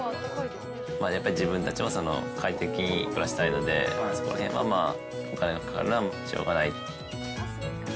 やっぱり自分たちも快適に暮らしたいので、そのへんはまあ、お金がかかるのはしょうがない。